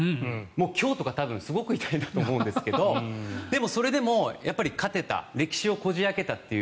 今日とか多分すごく痛いと思うんですけどでもそれでも、やっぱり勝てた歴史をこじ開けたという。